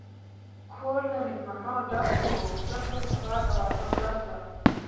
کور له مېلمنو ډک و، ځکه سبا د واده ورځ وه.